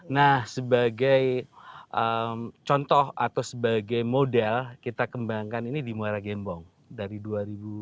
nah sebagai contoh atau sebagai model kita kembangkan ini di muara gembong dari dua ribu dua puluh